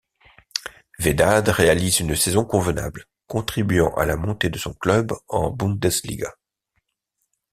Vedad réalise une saison convenable, contribuant à la montée de son club en Bundesliga.